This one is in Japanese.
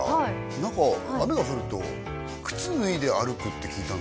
何か雨が降ると靴脱いで歩くって聞いたんですけど